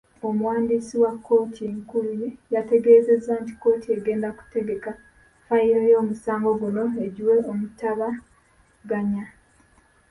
Omuwandiisi wa kkooti enkulu yategeerezza nti kkooti egenda kutegeka fayiro y'omusango guno egiwe omutabaganya